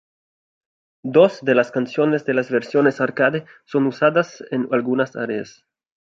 Dos de las canciones de las versiones arcade son usadas en algunas áreas.